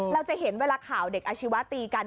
เราจะเห็นเวลาข่าวเด็กอาชีวะตีกัน